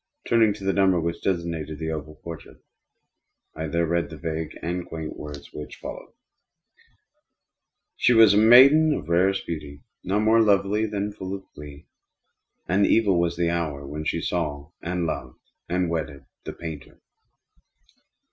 Turning to the number which designated the oval portrait, I there read the vague and quaint words which follow: "She was a maiden of rarest beauty, and not more lovely than full of glee. And evil was the hour when she saw, and loved, and wedded the painter.